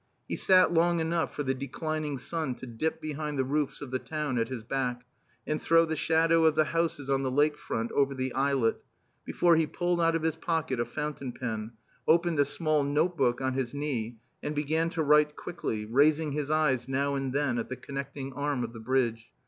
He sat long enough for the declining sun to dip behind the roofs of the town at his back, and throw the shadow of the houses on the lake front over the islet, before he pulled out of his pocket a fountain pen, opened a small notebook on his knee, and began to write quickly, raising his eyes now and then at the connecting arm of the bridge.